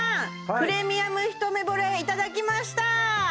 プレミアムひとめぼれいただきました